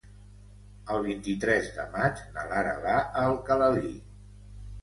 El vint-i-tres de maig na Lara va a Alcalalí.